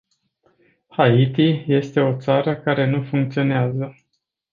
Haiti este o țară care nu funcționează.